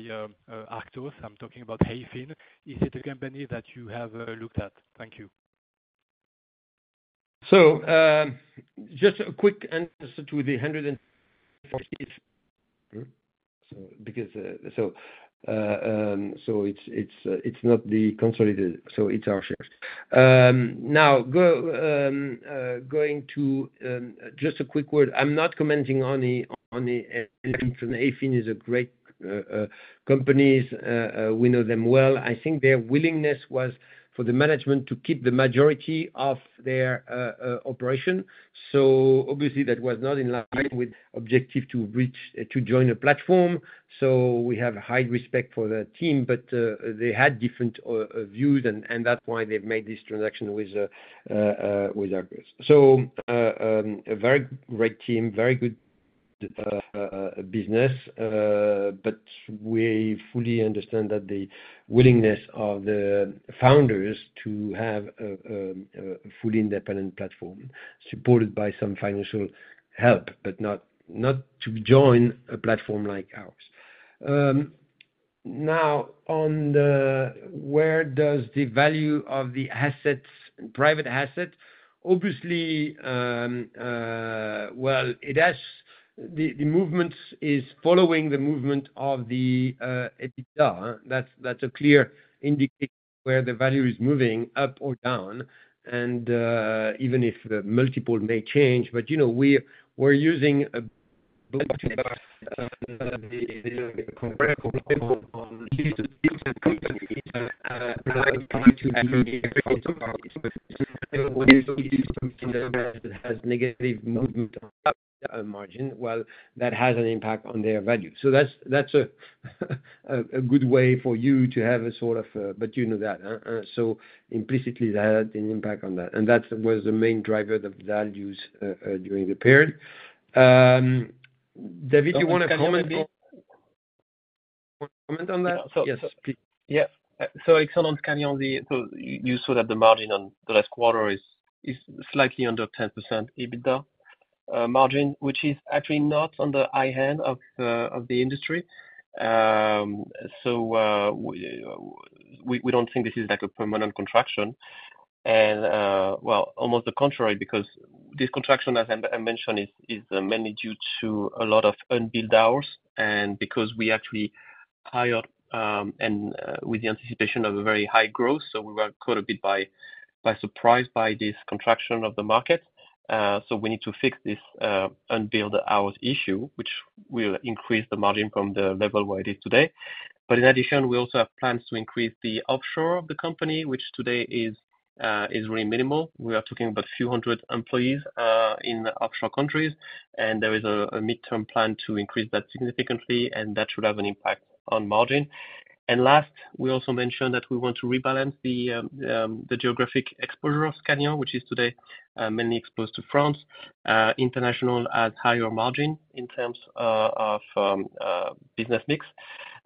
Arctos. I'm talking about Hayfin. Is it a company that you have looked at? Thank you. So, just a quick answer to the 140. So because it's not the consolidated, so it's our shares. Now going to just a quick word. I'm not commenting on the Hayfin. Hayfin is a great company. We know them well. I think their willingness was for the management to keep the majority of their operation. So obviously, that was not in line with objective to reach to join a platform. So we have high respect for the team, but they had different views, and that's why they've made this transaction with Arctos. So, a very great team, very good business, but we fully understand that the willingness of the founders to have a fully independent platform supported by some financial help, but not to join a platform like ours. Now, on the where does the value of the assets, private assets? Obviously, well, it has... The movement is following the movement of the EBITDA. That's a clear indicator where the value is moving up or down, and even if the multiple may change. But, you know, we're using a-... has negative movement on margin, well, that has an impact on their value. So that's a good way for you to have a sort of, but you know that, so implicitly that had an impact on that. That was the main driver of the values during the period. David, do you wanna comment- Comment on that? Yes, please. Yeah. So excellent on Scalian, so you saw that the margin on the last quarter is slightly under 10% EBITDA margin, which is actually not on the high end of the industry. So we don't think this is like a permanent contraction. And well, almost the contrary, because this contraction, as I mentioned, is mainly due to a lot of unbilled hours, and because we actually hired with the anticipation of a very high growth, so we were caught a bit by surprise by this contraction of the market. So we need to fix this unbilled hours issue, which will increase the margin from the level where it is today. But in addition, we also have plans to increase the offshore of the company, which today is really minimal. We are talking about a few hundred employees in the offshore countries, and there is a midterm plan to increase that significantly, and that should have an impact on margin. And last, we also mentioned that we want to rebalance the geographic exposure of Scalian, which is today mainly exposed to France. International has higher margin in terms of business mix.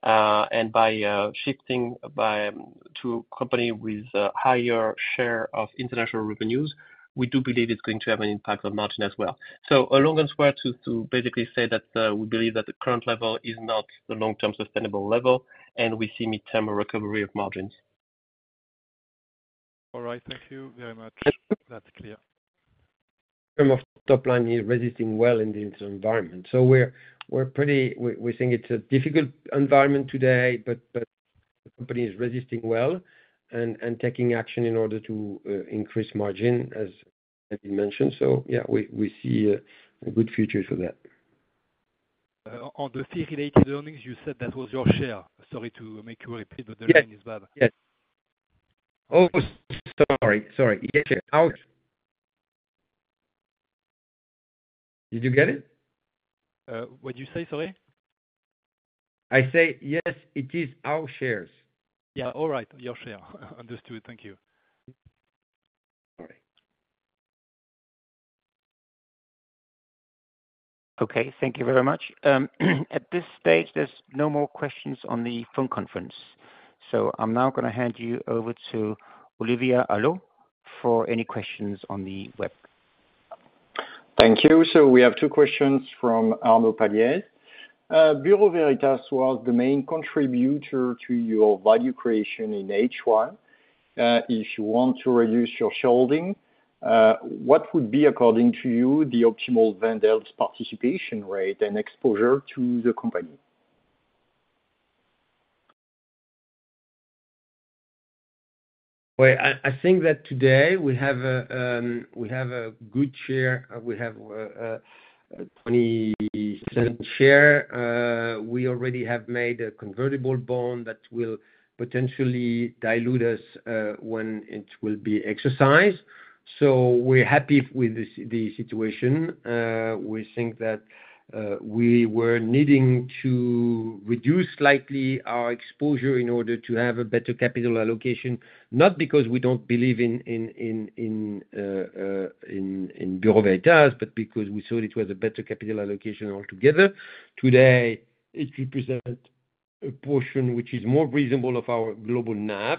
And by shifting to a company with a higher share of international revenues, we do believe it's going to have an impact on margin as well. So, a long way to go to basically say that we believe that the current level is not the long-term sustainable level, and we see midterm a recovery of margins. All right. Thank you very much. That's clear. Term of top line is resisting well in this environment. So we're pretty. We think it's a difficult environment today, but the company is resisting well and taking action in order to increase margin, as David mentioned. So yeah, we see a good future for that. On the fee-related earnings, you said that was your share. Sorry to make you repeat, but the line is bad. Yes. Oh, sorry. Sorry. Yes, our... Did you get it? What'd you say? Sorry. I say, yes, it is our shares. Yeah. All right, your share. Understood. Thank you. Sorry. Okay, thank you very much. At this stage, there's no more questions on the phone conference. So I'm now gonna hand you over to Olivier Allot for any questions on the web. Thank you. So we have two questions from Arnaud Palliez. Bureau Veritas was the main contributor to your value creation in H1. If you want to reduce your holding, what would be, according to you, the optimal Wendel's participation rate and exposure to the company? Well, I think that today we have a good share. We have 20% share. We already have made a convertible bond that will potentially dilute us when it will be exercised. So we're happy with the situation. We think that we were needing to reduce slightly our exposure in order to have a better capital allocation, not because we don't believe in Bureau Veritas, but because we thought it was a better capital allocation altogether. Today, it represents a portion which is more reasonable of our global NAV,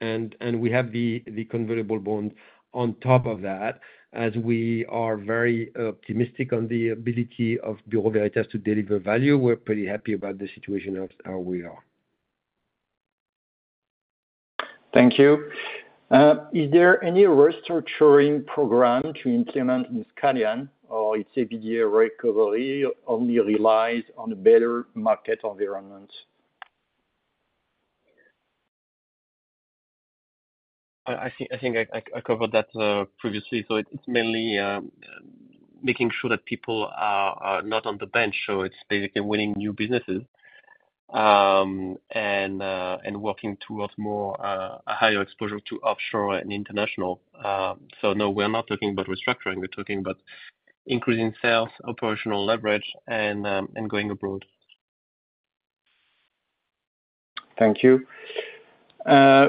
and we have the convertible bond on top of that, as we are very optimistic on the ability of Bureau Veritas to deliver value. We're pretty happy about the situation of how we are. Thank you. Is there any restructuring program to implement in Scalian, or its EBITDA recovery only relies on a better market environment? I think I covered that previously. So it's mainly making sure that people are not on the bench. So it's basically winning new businesses and working towards more a higher exposure to offshore and international. So no, we're not talking about restructuring. We're talking about increasing sales, operational leverage, and going abroad. Thank you.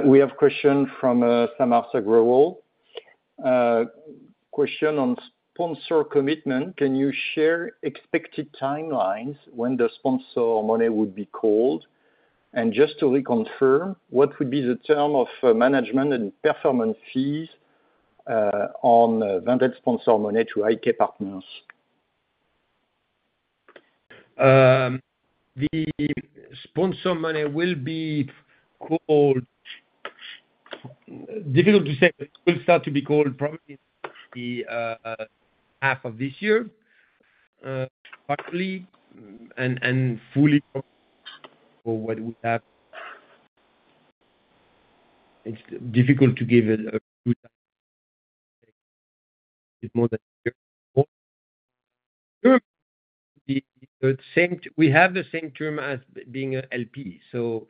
We have a question from Samarth Goyal. Question on sponsor commitment. Can you share expected timelines when the sponsor money would be called? And just to reconfirm, what would be the term of management and performance fees on sponsored money to IK Partners? The sponsor money will be called... Difficult to say, but it will start to be called probably the half of this year, partly and fully or what would happen? It's difficult to give it a good, it's more than the same. We have the same term as being a LP, so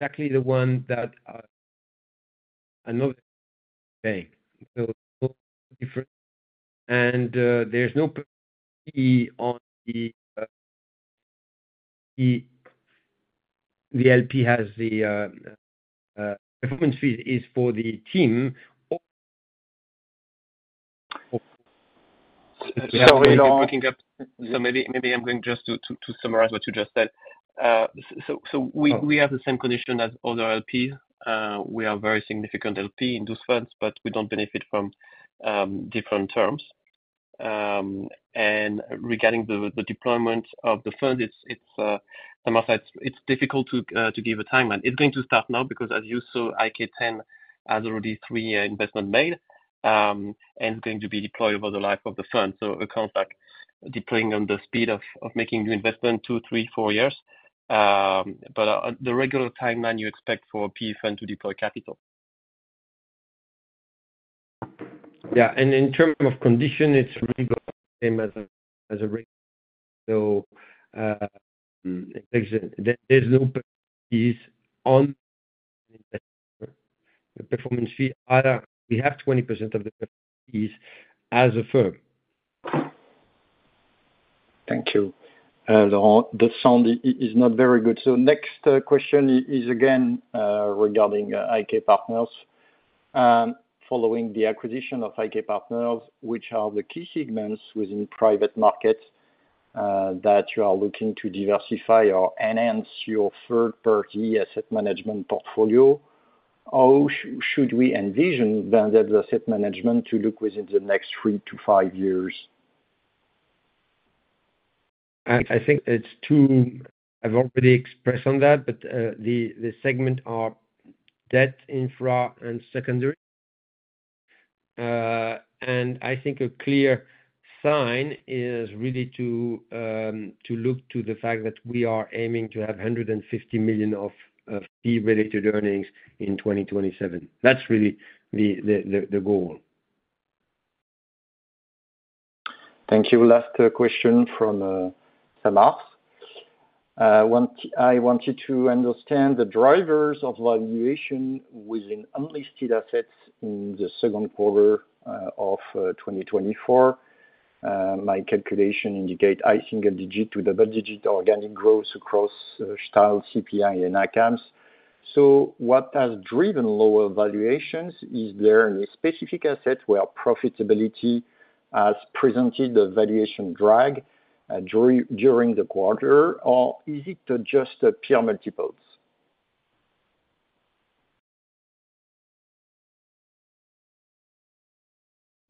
exactly the one that another bank. So different. And there's no on the, the LP has the performance fee is for the team. So maybe I'm going just to summarize what you just said. So we have the same condition as other LP. We are very significant LP in those funds, but we don't benefit from different terms. And regarding the deployment of the fund, it's from our side, it's difficult to give a timeline. It's going to start now, because as you saw, IK X has already three investments made, and it's going to be deployed over the life of the fund. So it comes back, deploying on the speed of making the investment two, three, four years. But the regular timeline you expect for a PE fund to deploy capital. Yeah, and in terms of conditions, it's really the same as a. So, there's no fees on the investment. The performance fee, either we have 20% of the fees as a firm. Thank you. Laurent, the sound is not very good. So next, question is again regarding IK Partners. Following the acquisition of IK Partners, which are the key segments within private markets that you are looking to diversify or enhance your third party asset management portfolio, how should we envision the asset management to look within the next three to five years? I think it's two... I've already expressed on that, but the segment are debt, infra, and secondary. And I think a clear sign is really to look to the fact that we are aiming to have 150 million of fee-related earnings in 2027. That's really the goal. Thank you. Last question from Samarth. I wanted to understand the drivers of valuation within unlisted assets in the second quarter of 2024. My calculation indicate high single digit to double digit organic growth across Stahl, CPI and ACAMS. So what has driven lower valuations? Is there any specific asset where profitability has presented the valuation drag during the quarter? Or is it to adjust the peer multiples?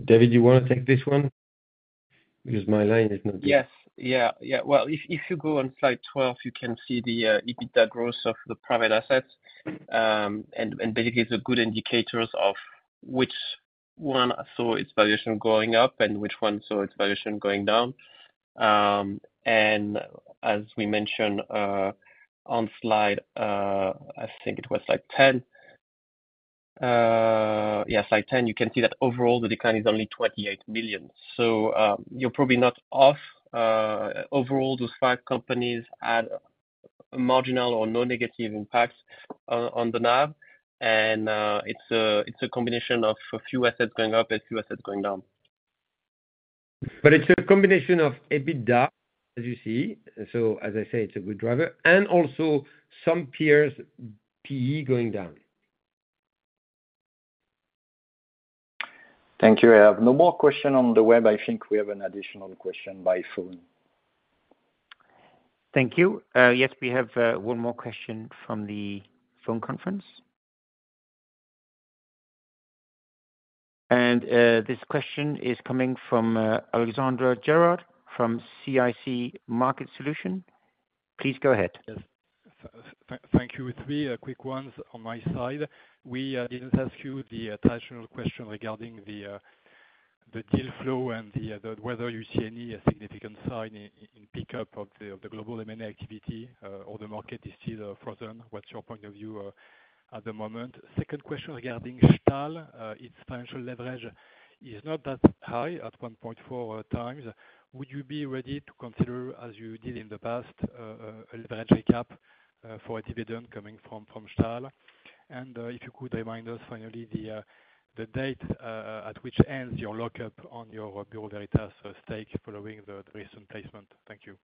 David, you wanna take this one? Because my line is not good. Yes. Yeah, yeah. Well, if, if you go on slide 12, you can see the EBITDA growth of the private assets. And, and basically, the good indicators of which one saw its valuation going up and which one saw its valuation going down. And as we mentioned, on slide, I think it was slide 10. Yes, slide 10, you can see that overall the decline is only 28 million. So, you're probably not off. Overall, those five companies had marginal or no negative impacts on the NAV. And, it's a, it's a combination of a few assets going up and a few assets going down. But it's a combination of EBITDA, as you see. So as I say, it's a good driver, and also some peers' PE going down. Thank you. I have no more question on the web. I think we have an additional question by phone. Thank you. Yes, we have one more question from the phone conference. And this question is coming from Alexandre Gérard from CIC Market Solutions. Please go ahead. Yes. Thank you. Three quick ones on my side. We didn't ask you the traditional question regarding the deal flow and whether you see any significant sign in pickup of the global M&A activity, or the market is still frozen. What's your point of view at the moment? Second question regarding Stahl. Its financial leverage is not that high at 1.4x. Would you be ready to consider, as you did in the past, a leverage recap for a dividend coming from Stahl? And if you could remind us, finally, the date at which ends your lockup on your Bureau Veritas stake following the recent placement. Thank you.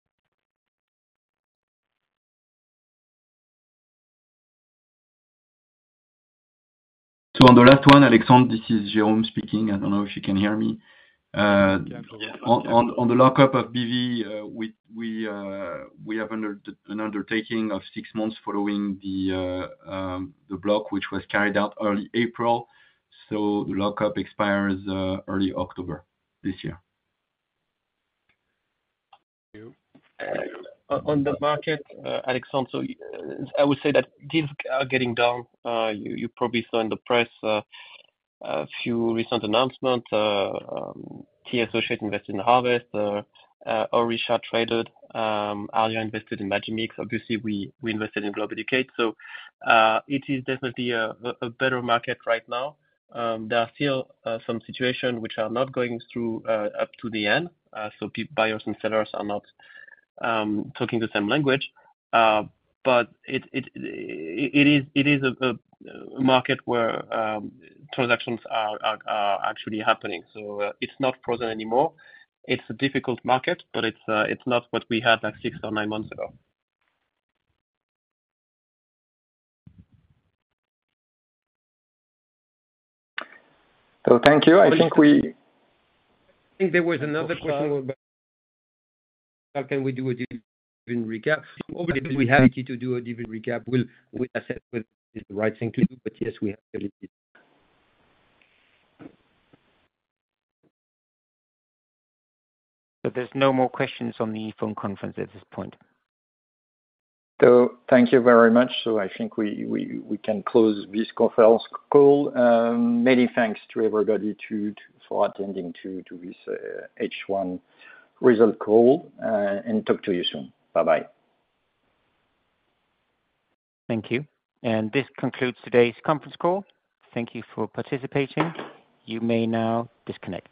So on the last one, Alexandre, this is Jérôme speaking. I don't know if you can hear me. Yeah. On the lockup of BV, we have an undertaking of six months following the block, which was carried out early April. So the lockup expires early October this year. Thank you. On the market, Alexandre, so I would say that deals are getting done. You probably saw in the press a few recent announcements. IK Partners invested in Harvest, Orisha traded, Ardian invested in Magimix. Obviously, we invested in Globeducate. So, it is definitely a better market right now. There are still some situations which are not going through up to the end. So buyers and sellers are not talking the same language. But it is a market where transactions are actually happening. So it's not frozen anymore. It's a difficult market, but it's not what we had like six or nine months ago. So thank you. I think we- I think there was another question about how can we do a dividend recap? Obviously, we have to do a dividend recap. Well, we assess with the right thing, clearly, but yes, we have did it. There's no more questions on the phone conference at this point. So thank you very much. So I think we can close this conference call. Many thanks to everybody for attending this H1 result call, and talk to you soon. Bye-bye. Thank you. And this concludes today's conference call. Thank you for participating. You may now disconnect.